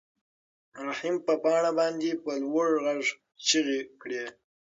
رحیم په پاڼه باندې په لوړ غږ چیغې کړې.